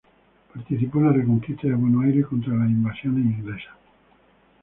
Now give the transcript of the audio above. Participó en la Reconquista de Buenos Aires contra las Invasiones Inglesas.